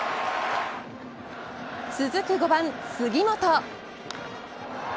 続く５番杉本。